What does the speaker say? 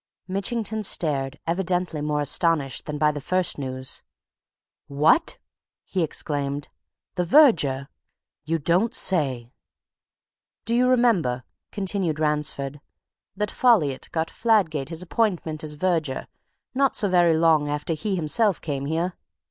Mitchington started, evidently more astonished than by the first news. "What!" he exclaimed. "The verger! You don't say!" "Do you remember," continued Ransford, "that Folliot got Fladgate his appointment as verger not so very long after he himself came here?